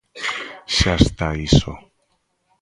Xa está iso.